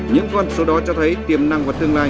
những con số đó cho thấy tiềm năng và tương lai